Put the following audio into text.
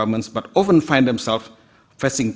membuat judisi lebih efisien